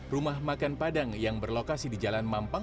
rumah makan padang yang berlokasi di jalan mampang